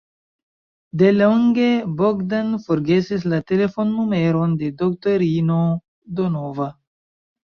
Delonge Bogdan forgesis la telefonnumeron de doktorino Donova.